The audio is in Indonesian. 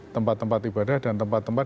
tempat tempat ibadah dan tempat tempat